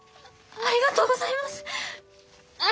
ありがとうございます！